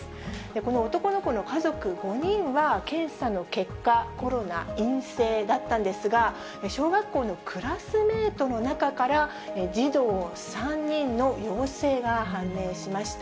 この男の子の家族５人は、検査の結果、コロナ陰性だったんですが、小学校のクラスメートの中から児童３人の陽性が判明しました。